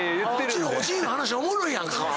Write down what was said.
うちのおじいの話おもろいやん。